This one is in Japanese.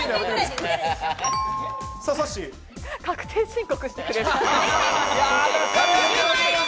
確定申告してくれる？